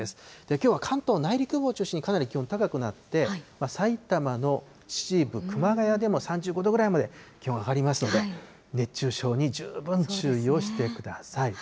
きょうは関東は内陸部を中心にかなり気温高くなって、埼玉の秩父、熊谷でも３５度ぐらいまで気温上がりますので、熱中症に十分注意をしてください。